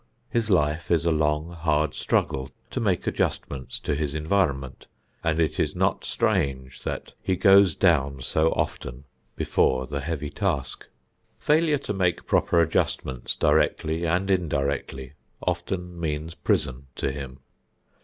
His life is a long, hard struggle to make adjustments to his environment, and it is not strange that he goes down so often before the heavy task. Failure to make proper adjustments directly and indirectly often means prison to him.